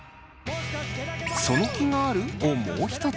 「その気がある？」をもう一つ。